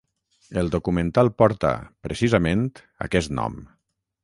El documental porta, precisament, aquest nom.